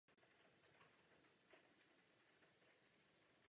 Po zámku ve Versailles je druhým nejnavštěvovanějším zámkem ve Francii.